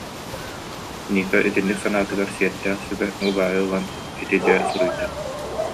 Ника итинник санаатыгар сиэрдээх сүбэ, угаайы ылан ити дьэ суруйда